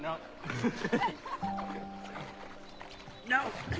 フフフ。